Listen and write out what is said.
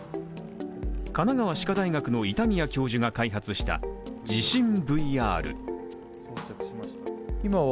神奈川歯科大学の板宮教授が開発した地震ＶＲ。